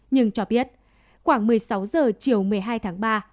nhưng cho biết khoảng một mươi sáu h chiều một mươi hai tháng ba